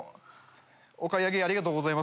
「お買い上げありがとうございます。